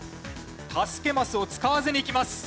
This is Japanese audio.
助けマスを使わずにいきます。